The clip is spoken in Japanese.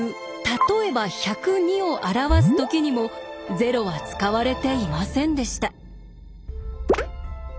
例えば１０２を表す時にも０は使われていませんでした。